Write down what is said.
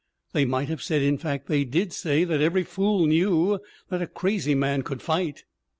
They might have said in fact, they did say that every fool knew that a crazy man could fight!"